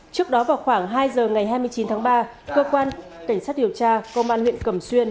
trước đó vào khoảng hai giờ ngày hai mươi chín tháng ba cơ quan cảnh sát điều tra công an huyện cẩm xuyên